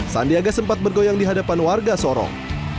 sandiaga sempat bergoyang di hadapan warga sorong